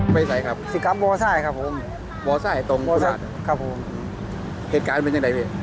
ไม่ใสครับครับผมครับผมครับผมเหตุการณ์เป็นอย่างใดพี่